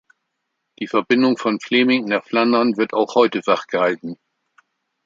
Die Verbindung vom Fläming nach Flandern wird auch heute wachgehalten.